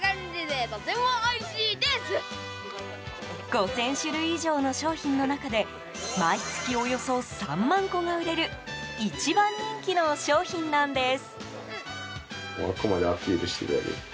５０００種類以上の商品の中で毎月およそ３万個が売れる一番人気の商品なんです。